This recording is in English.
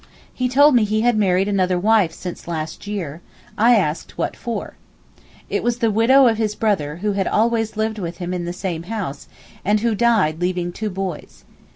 He told me he had married another wife since last year—I asked what for. It was the widow of his brother who had always lived with him in the same house, and who died leaving two boys.